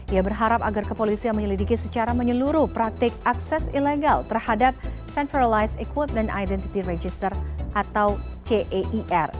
ia berharap agar kepolisian menyelidiki secara menyeluruh praktik akses ilegal terhadap centralized equipment identity register atau ceir